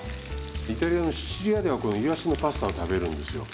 イタリアのシチリアではこのイワシのパスタを食べるんですよ。